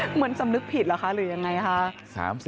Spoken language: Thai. เหมือนที่สำนึกผิดหรือยังไงค่ะ